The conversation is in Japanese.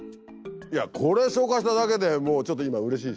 いやこれ紹介しただけでもうちょっと今うれしいでしょ？